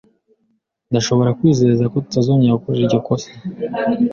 Ndashobora kwizeza ko tutazongera gukora iryo kosa